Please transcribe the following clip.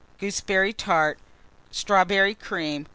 Gooseberry Tart. Strawberry Cream.